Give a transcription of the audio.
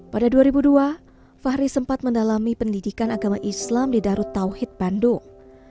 pada dua ribu dua fahri sempat mendalami pendidikan agama islam di darut tauhid bandung